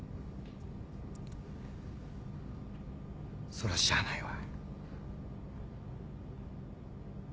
そらしゃあないわ。